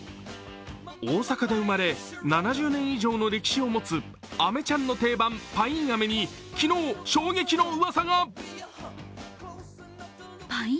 大阪で生まれ７０年以上の歴史を持つアメちゃんの定番、パインアメに昨日、衝撃のうわさが。